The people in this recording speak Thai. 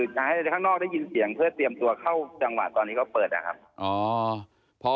จะให้ข้างนอกได้ยินเสียงเพื่อเตรียมตัวเข้าจังหวะตอนนี้ก็เปิดนะครับ